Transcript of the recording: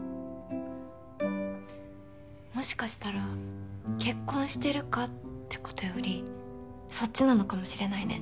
もしかしたら結婚してるかってことよりそっちなのかもしれないね。